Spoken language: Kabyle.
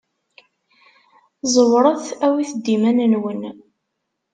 Ẓewret awit-d iman-nwen.